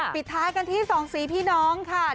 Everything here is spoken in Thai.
ปิดท้ายกันที่สองสีพี่น้องค่ะ